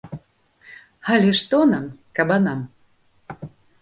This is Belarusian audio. Але што нам, кабанам?